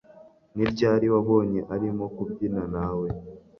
Ni ryari wabonye arimo kubyina nawe